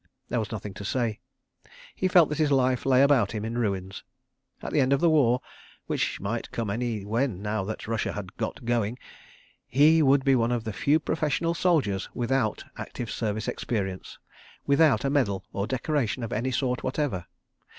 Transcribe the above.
There was nothing to say. He felt that his life lay about him in ruins. At the end of the war—which might come anywhen now that Russia had "got going"—he would be one of the few professional soldiers without active service experience, without a medal or decoration of any sort whatever.